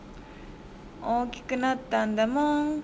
おおきくなったんだもん。